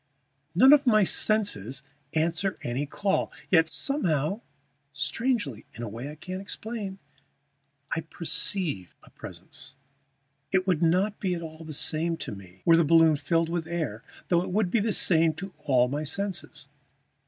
None of my senses answer any call; yet somehow, strangely, in a way I can't explain, I perceive a presence. It would not be at all the same to me were the balloon filled with air, though it would be the same to all my senses.